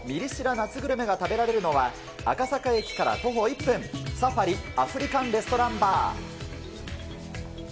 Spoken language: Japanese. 夏グルメが食べられるのは、赤坂駅から徒歩１分、サファリアフリカンレストランバー。